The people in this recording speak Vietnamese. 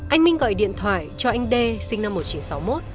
anh minh gọi điện thoại cho anh đê sinh năm một nghìn chín trăm sáu mươi một